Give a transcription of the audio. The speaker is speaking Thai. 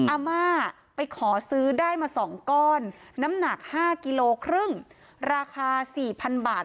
อาม่าไปขอซื้อได้มาสองก้อนน้ำหนักห้ากิโลครึ่งราคาสี่พันบาท